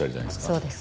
そうです。